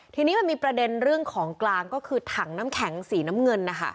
ทีนี้มันมีประเด็นเรื่องของกลางก็คือถังน้ำแข็งสีน้ำเงินนะคะ